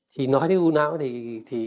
chỉ nói đến u não thì